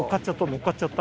乗っかっちゃった。